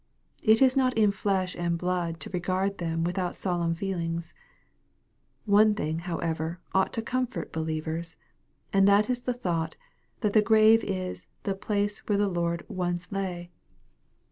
It is not in flesh and blood to regard them without solemn feelings. Ono thing, however, ought to comfort believers, and that is the thought, that the grave is "the place where the Lord once lay."